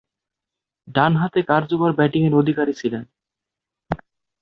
ডানহাতে কার্যকর ব্যাটিংয়ের অধিকারী ছিলেন।